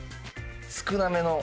少なめの。